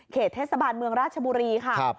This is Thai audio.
เทศบาลเมืองราชบุรีค่ะ